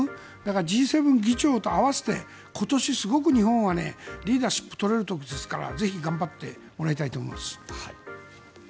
Ｇ７議長と合わせて今年、すごく日本はリーダーシップを取れる時ですからぜひ頑張ってもらいたいと思います。